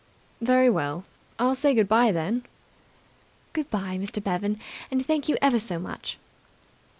"Very well, I'll say good bye, then." "Good bye, Mr. Bevan, and thank you ever so much."